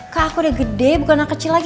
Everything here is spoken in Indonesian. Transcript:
kak aku udah gede bukan anak kecil lagi